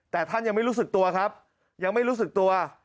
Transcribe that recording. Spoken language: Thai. แต่ท่านยังไม่รู้สึกตัวครับยังไม่รู้สึกตัว